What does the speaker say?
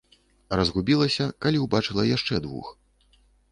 Разгубілася, калі ўбачыла яшчэ двух.